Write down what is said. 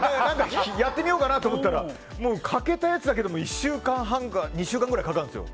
やってみようかなと思ったら欠けたやつだけでも１週間半か２週間半くらいかかるんですよ。